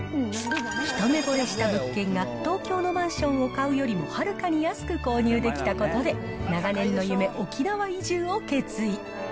一目ぼれした物件が東京のマンションを買うよりも、はるかに安く購入できたことで、長年の夢、沖縄移住を決意。